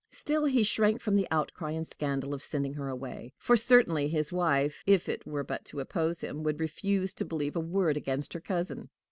Still he shrank from the outcry and scandal of sending her away; for certainly his wife, if it were but to oppose him, would refuse to believe a word against her cousin.